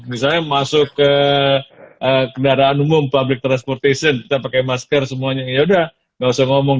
misalnya masuk ke kendaraan umum public transportation kita pakai masker semuanya ya udah gak usah ngomong